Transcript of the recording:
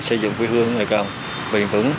xây dựng quy hương ngày càng bình vững